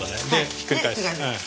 ひっくり返す。